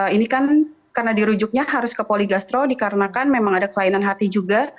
ini kan karena dirujuknya harus ke poligastro dikarenakan memang ada kelainan hati juga